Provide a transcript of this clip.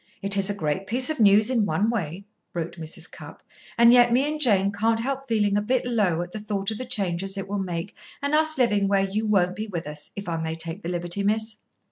"It is a great piece of news, in one way," wrote Mrs. Cupp, "and yet me and Jane can't help feeling a bit low at the thought of the changes it will make, and us living where you won't be with us, if I may take the liberty, miss.